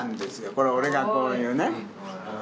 これ、俺がこういうね。